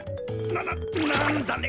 なななんだね